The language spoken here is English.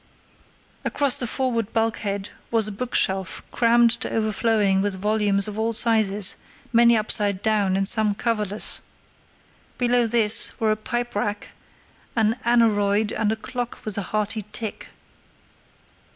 Across the forward bulkhead was a bookshelf crammed to overflowing with volumes of all sizes, many upside down and some coverless. Below this were a pipe rack, an aneroid, and a clock with a hearty tick.